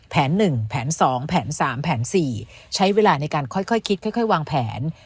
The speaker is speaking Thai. แผนหนึ่งแผนสองแผนสามแผนสี่ใช้เวลาในการค่อยคิดค่อยวางแผน